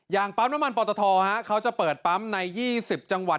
อย่างปมมันปททเขาจะเปิดปั๊มใน๒๐จังหวัด